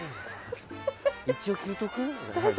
一応、聞いとく？